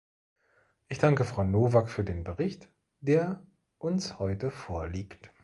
Ich danke Frau Novak für den Bericht, der uns heute vorliegt.